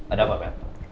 ada apa kak